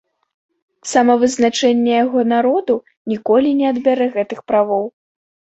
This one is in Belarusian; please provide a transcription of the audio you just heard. Самавызначэнне яго народу ніколі не адбярэ гэтых правоў!